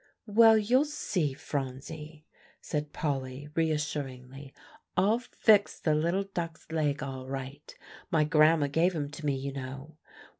"Well, you'll see, Phronsie," said Polly reassuringly. "I'll fix the little duck's leg all right. My grandma gave him to me, you know.